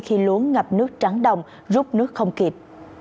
khi lúa ngập nước trắng đồng rút nước không kịp